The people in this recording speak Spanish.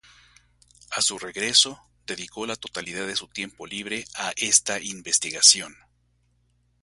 A su regreso, dedicó la totalidad de su tiempo libre a esta investigación.